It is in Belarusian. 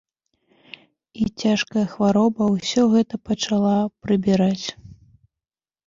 І цяжкая хвароба ўсё гэта пачала прыбіраць.